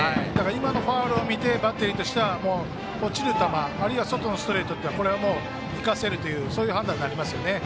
今のファウルを見てバッテリーとしては落ちる球外のストレートはこれは生かせるというそういう判断になりますよね。